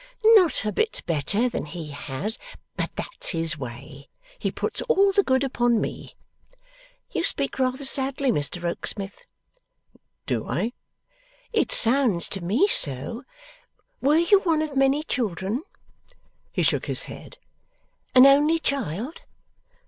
'Not a bit better than he has, but that's his way; he puts all the good upon me. You speak rather sadly, Mr Rokesmith.' 'Do I?' 'It sounds to me so. Were you one of many children?' He shook his head. 'An only child?